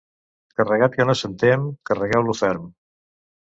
Carregat que no se'n tem, carregau-lo ferm.